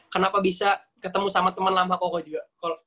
kenapa bisa ketemu sama teman lama koko juga